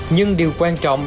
nhưng điều quan trọng